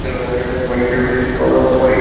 তবে এর নিচেই রয়েছে তরল লবণাক্ত পানির সমুদ্র।